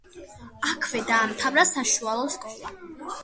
აქვე დაამთავრა საშუალო სკოლა.